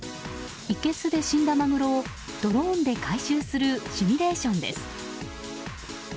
いけすで死んだマグロをドローンで回収するシミュレーションです。